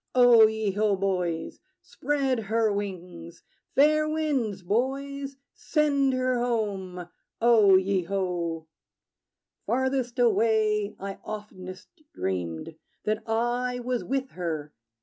O ye ho, boys! Spread her wings! Fair winds, boys: send her home! O ye ho! Farthest away, I oftenest dreamed That I was with her.